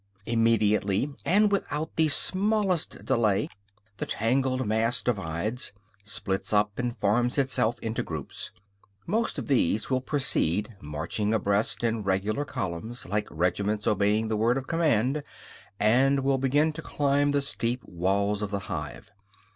Immediately, and without the smallest delay, the tangled mass divides, splits up and forms itself into groups. Most of these will proceed, marching abreast in regular columns, like regiments obeying the word of command, and will begin to climb the steep walls of the hive.